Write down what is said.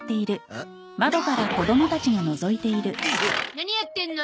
何やってんの？